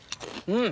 うん。